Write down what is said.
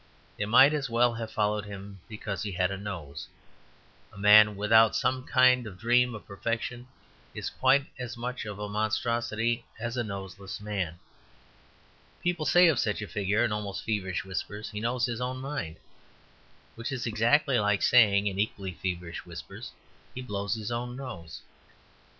They might as well have followed him because he had a nose; a man without some kind of dream of perfection is quite as much of a monstrosity as a noseless man. People say of such a figure, in almost feverish whispers, "He knows his own mind," which is exactly like saying in equally feverish whispers, "He blows his own nose."